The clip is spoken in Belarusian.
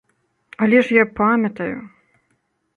Але ж я памятаю.